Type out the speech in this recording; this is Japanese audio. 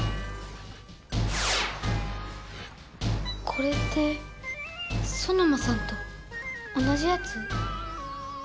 これってソノマさんと同じやつ？